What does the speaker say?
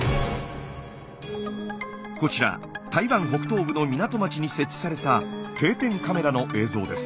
こちら台湾北東部の港町に設置された定点カメラの映像です。